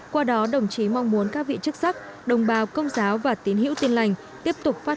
qua đó đồng chí mong muốn các vị chức sắc đồng bào công giáo và tín hiểu tin lành tiếp tục phát